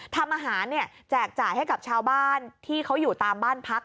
ทำอาหารแจกจ่ายให้กับชาวบ้านที่เขาอยู่ตามบ้านพัก